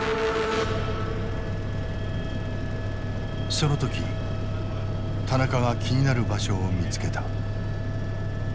その時田中が気になる場所を見つけた。